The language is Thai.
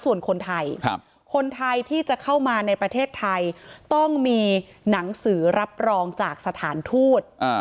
ส่วนคนไทยคนไทยที่จะเข้ามาในประเทศไทยต้องมีหนังสือรับรองจากสถานทูต